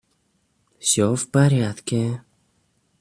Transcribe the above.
Всё в порядке.